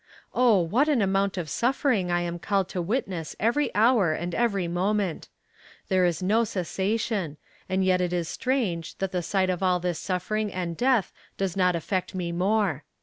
"Oh, what an amount of suffering I am called to witness every hour and every moment. There is no cessation, and yet it is strange that the sight of all this suffering and death does not affect me more.